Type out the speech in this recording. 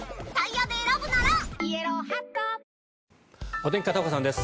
お天気、片岡さんです。